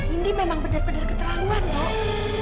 indi memang benar benar keterlaluan dok